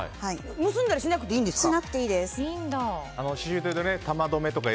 結んだりしなくていいんですか？